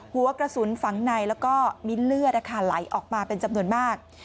หัวกระสุนฝังในแล้วก็มิ้นเลือดไหลออกมาเป็นจำนวนมาก